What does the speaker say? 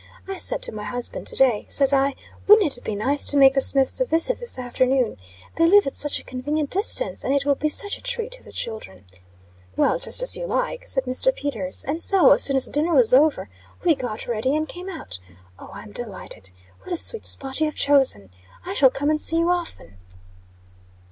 I said to my husband to day, says I, wouldn't it be nice to make the Smiths a visit this afternoon. They live at such a convenient distance; and it will be such a treat to the children. Well, just as you like, said Mr. Peters. And so, as soon as dinner was over, we got ready and came out. Oh, I'm delighted! What a sweet spot you have chosen. I shall come and see you often."